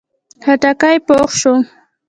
خټکی پوخ شو.